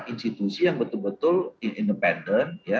institusi yang betul betul independen